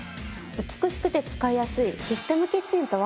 美しくて使いやすいシステムキッチンとは？